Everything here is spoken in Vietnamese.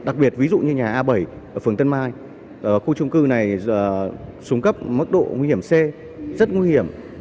đặc biệt ví dụ như nhà a bảy phường tân mai khu trung cư này xuống cấp mức độ nguy hiểm c rất nguy hiểm